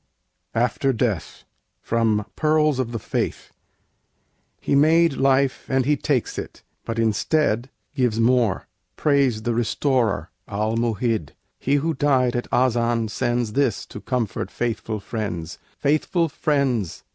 AFTER DEATH From 'Pearls of the Faith' He made life and He takes it but instead Gives more: praise the Restorer, Al Mu'hid! He who died at Azan sends This to comfort faithful friends: Faithful friends!